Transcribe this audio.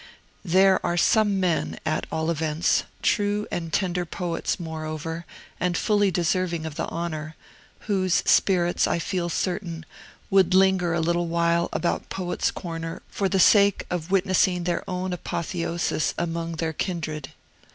There are some men, at all events, true and tender poets, moreover, and fully deserving of the honor, whose spirits, I feel certain, would linger a little while about Poets' Corner for the sake of witnessing their own apotheosis among their kindred.